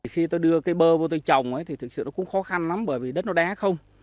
khi tôi đưa cái bơ vô tôi trồng thì thực sự nó cũng khó khăn lắm bởi vì đất nó đé không